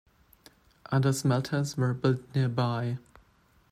Other smelters were built nearby.